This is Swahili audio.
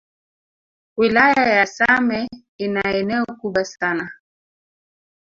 Wilaya ya same ina eneo kubwa sana